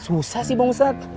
susah sih bang ustadz